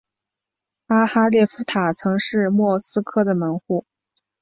苏哈列夫塔曾是莫斯科的门户。